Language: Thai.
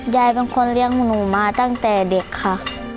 ยายเป็นคนเลี้ยงของหนูมาตั้งแต่เด็กค่ะ